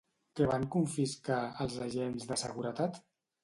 Què van confiscar, els agents de seguretat?